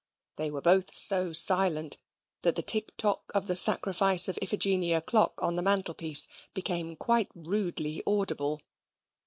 They were both so silent that the ticktock of the Sacrifice of Iphigenia clock on the mantelpiece became quite rudely audible.